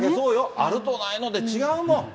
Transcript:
あるとないので違うもん。